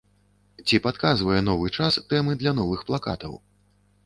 Ці падказвае новы час тэмы для новых плакатаў?